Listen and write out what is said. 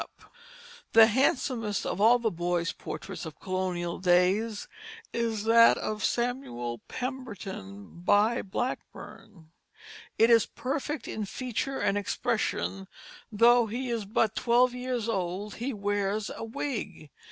[Illustration: Child's Shoes] The handsomest of all the boy portraits of colonial days is that of Samuel Pemberton, by Blackburn; it is perfect in feature and expression; though he is but twelve years old he wears a wig.